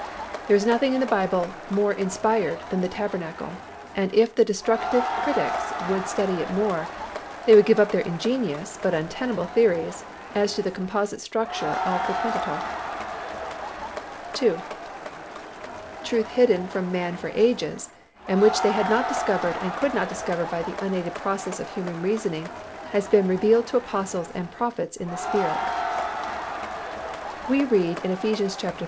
There is nothing in the Bible more inspired than the tabernacle, and if the Destructive Critics would study it more, they would give up their ingenious but untenable theories as to the composite structure of the Pentateuch. 2. _Truth hidden from man for ages and which they had not discovered and could not discover by the unaided processes of human reasoning has been revealed to apostles and prophets in the Spirit._ We read in Eph. iii. 3 5, R.